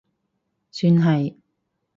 算係